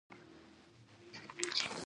افغانستان د غوښې لپاره مشهور دی.